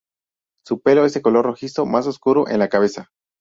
Su pelo es de color rojizo más oscuro en la cabeza.